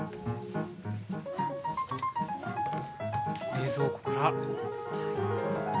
冷蔵庫から。